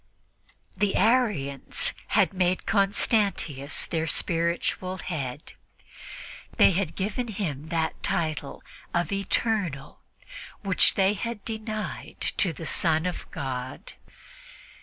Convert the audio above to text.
The Arians had made Constantius their spiritual head. They had given him that title of "Eternal" which they had denied to the Son of God.